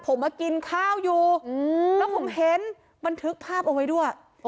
ผมมากินข้าวอยู่แล้วผมเห็นบันทึกภาพเอาไว้ด้วย